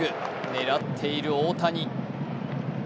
狙っている大谷。